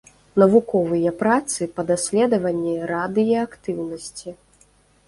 Навуковыя працы па даследаванні радыеактыўнасці.